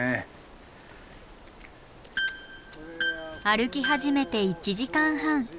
歩き始めて１時間半。